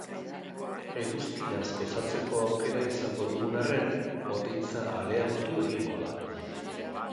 Eguzkiaz gozatzeko aukera izango dugun arren, hodeitza areagotu egingo da.